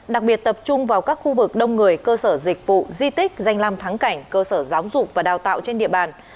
đặc biệt tập trung vào các khu vực đông người cơ sở dịch vụ di tích danh làm thắng cảnh cơ sở giáo dục và đào tạo trên địa bàn